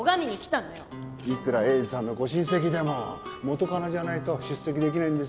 いくら栄治さんのご親戚でも元カノじゃないと出席できないんですよ。